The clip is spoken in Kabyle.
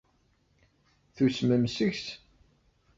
Tusmem seg-s?